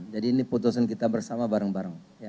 jadi ini keputusan kita bersama bareng bareng